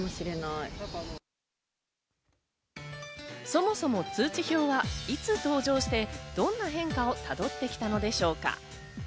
そもそも通知表はいつ登場して、どんな変化をたどってきたのでしょうか。